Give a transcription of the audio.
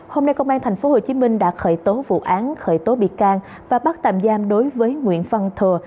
hôm nay công an tp hcm đã khởi tố vụ án khởi tố bị can và bắt tạm giam đối với nguyễn văn thừa